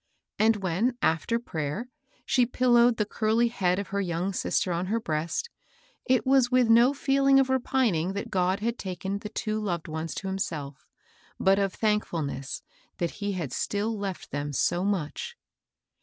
And when, after prayer, she pillowed the curly head of her young sister on her breast, it was with no feeling of repining that God had taken the two loved ones to himself, but of thankful ness that he had still left them so much.